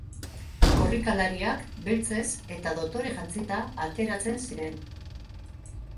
Korrikalariak beltzez eta dotore jantzita ateratzen ziren.